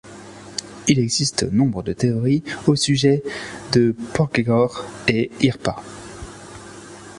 Il existe nombre de théories au sujet de Þorgerðr et Irpa.